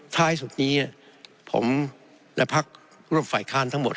ท้ายสุดนี้ผมและพักร่วมฝ่ายค้านทั้งหมด